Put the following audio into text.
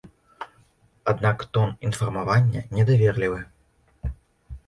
Аднак тон інфармавання недаверлівы.